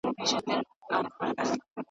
خره لېوه ته ویل ځه کار دي تمام دی .